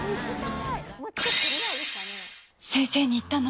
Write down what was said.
先生に言ったの？